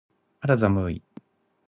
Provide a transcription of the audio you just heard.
肌寒い。